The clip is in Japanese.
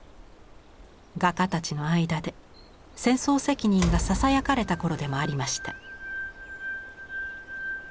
画家たちの間で戦争責任がささやかれた頃でもありました。